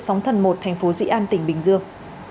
sống thần một thành phố dĩ an tỉnh bình dương